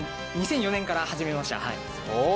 ２００４年から始めました。